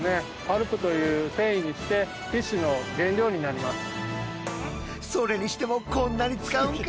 パルプという繊維にしてティッシュの原料になります。